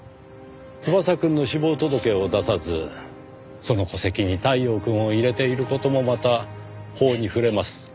翼くんの死亡届を出さずその戸籍に太陽くんを入れている事もまた法に触れます。